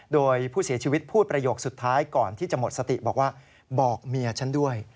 โดยผู้เสียชีวิตพูดประโยคสุดท้ายก่อนที่จะหมดสติบอกว่าบอกเมียฉันด้วย